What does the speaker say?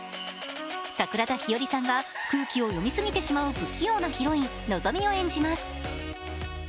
桜田ひよりさんが空気を読みすぎてしまう不器用なヒロイン、希美を演じます。